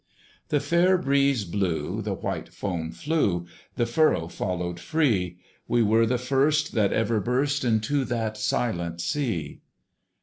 The fair breeze blew, the white foam flew, The furrow followed free: We were the first that ever burst Into that silent sea.